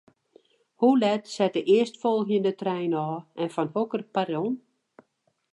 Hoe let set de earstfolgjende trein ôf en fan hokker perron?